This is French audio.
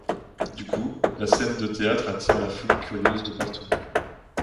Du coup, la scène de théâtre attire la foule curieuse de partout.